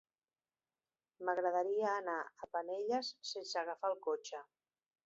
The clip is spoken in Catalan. M'agradaria anar a Penelles sense agafar el cotxe.